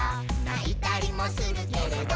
「ないたりもするけれど」